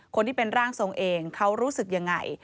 คนที่เป็นร่างทรงเองเขารู้สึกยังไง